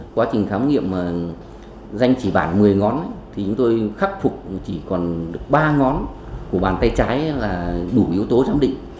quá trình thám nghiệm mà danh chỉ bản một mươi ngón thì chúng tôi khắc phục chỉ còn ba ngón của bàn tay trái là đủ yếu tố chấm định